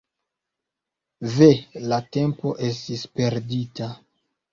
Ve, la tempo estis perdita.